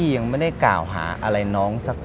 พี่ยังไม่ได้กล่าวหาอะไรน้องสักคำนะ